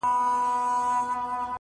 • هر ګستاخ چي په ګستاخ نظر در ګوري..